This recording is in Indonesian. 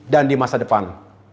dan di masa depan